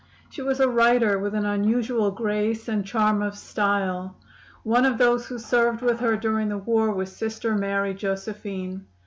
She was a writer with an unusual grace and charm of style. One of those who served with her during the war was Sister Mary Josephine.